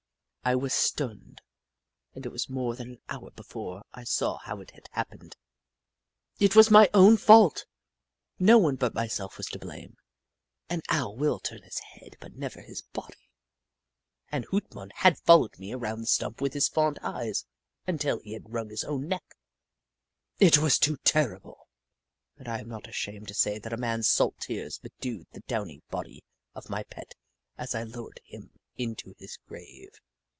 I was stunned, and it was more than an hour before I saw how it had happened. It was my own fault ; no one but myself was to blame. An Owl will turn his head, but never his body, and Hoot Mon had followed me around the stump with his fond eyes until he had wrung his own neck. It was too terrible, and I am not ashamed to say that a man's salt tears bedewed the downy body of my pet as I lowered him into his grave.